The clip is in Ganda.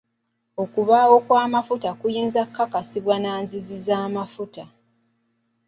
Okubaawo kw'amafuta kuyinza kukakasibwa na nzizi z'amafuta.